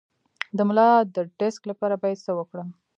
د ملا د ډیسک لپاره باید څه وکړم؟